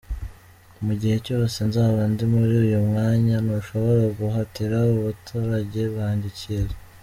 Mu gihe cyose nzaba ndi muri uyu mwanya, ntushobora kuhatira abaturage banjye icyiza.